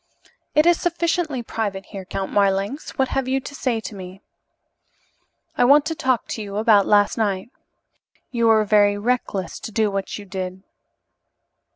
"It is sufficiently private here, Count Marlanx. What have you to say to me?" "I want to talk about last night. You were very reckless to do what you did."